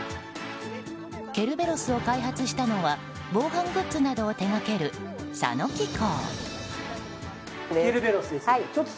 ケルベロスを開発したのは防犯グッズなどを手掛ける佐野機工。